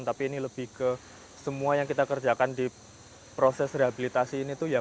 tapi ini lebih ke semua yang kita kerjakan di proses rehabilitasi ini tuh ya